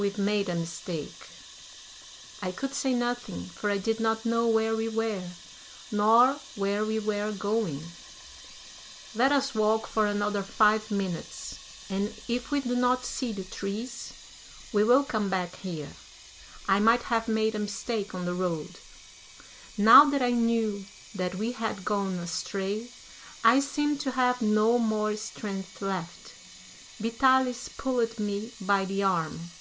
"We've made a mistake." I could say nothing, for I did not know where we were, nor where we were going. "Let us walk for another five minutes and, if we do not see the trees, we will come back here. I might have made a mistake on the road." Now that I knew that we had gone astray, I seemed to have no more strength left. Vitalis pulled me by the arm.